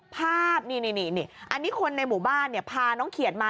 ภาพนี่นี่นี่อันนี้คนในหมู่บ้านเนี่ยพาน้องเขียดมา